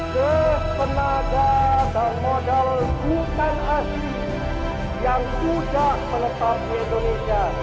se penaga dan modal bukan asli yang sudah penetap di indonesia